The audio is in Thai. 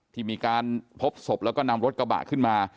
ที่มีการพบศพแล้วก็นำรถกระบะขึ้นมา